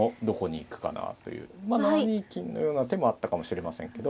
７二金のような手もあったかもしれませんけど。